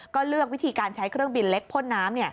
ก็เลือกวิธีการใช้เครื่องบินเล็กพ่นน้ำ